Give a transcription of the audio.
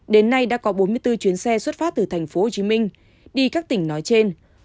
đến nay đã có bốn mươi bốn chuyến xe xuất phát từ tp hcm đi các tỉnh nói trên